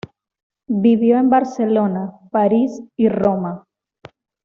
Vivió en Barcelona, París y Roma.